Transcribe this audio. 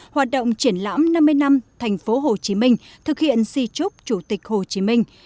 hoạt động triển lãm năm mươi năm tp hcm thực hiện di trúc chủ tịch hồ chí minh